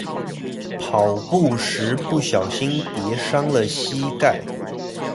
跑步時不小心跌傷了膝蓋